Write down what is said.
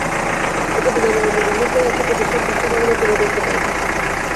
এতে বিনা মূল্যে নিবন্ধন করে একটি প্রতিষ্ঠান তার সেবাগুলো তুলে ধরতে পারবে।